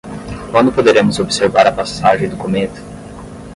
Quando poderemos observar a passagem do cometa?